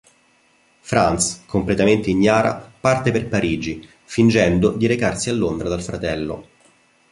Frances, completamente ignara, parte per Parigi, fingendo di recarsi a Londra dal fratello.